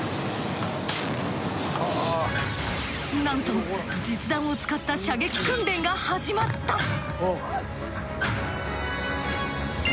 なんと実弾を使った射撃訓練が始まった。